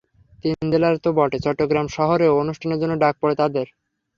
তিন জেলায় তো বটে, চট্টগ্রাম শহরেও অনুষ্ঠানের জন্য ডাক পড়ে তাঁদের।